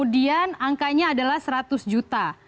dan angkanya adalah seratus juta